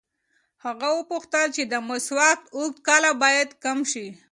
هغه وپوښتل چې د مسواک اوږدو کله باید کم شي.